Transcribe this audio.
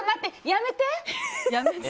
やめて。